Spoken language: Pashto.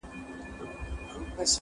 څه خبره وم چي خوري به یې بلاوي,